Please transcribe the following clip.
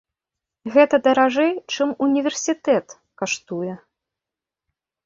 Гэта даражэй, чым універсітэт каштуе.